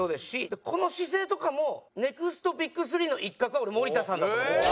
この姿勢とかもネクストＢＩＧ３の一角は俺森田さんだと思ってます。